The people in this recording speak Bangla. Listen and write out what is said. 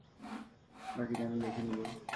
বাকিটা আমি দেখে নিবো।